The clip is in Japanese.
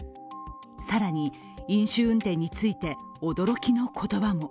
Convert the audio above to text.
更に、飲酒運転について驚きの言葉も。